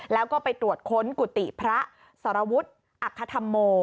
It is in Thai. แล้วก็ไปตรวจค้นกุฏิพระสรวุฒิอัคธรรโม